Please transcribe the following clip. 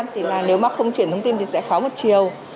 thì nếu mà không chuyển thông tin thì sẽ khóa một chiều